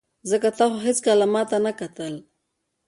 ځکه تا خو هېڅکله ماته نه کتل.